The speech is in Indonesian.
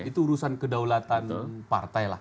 itu urusan kedaulatan partai lah